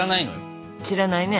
知らないね。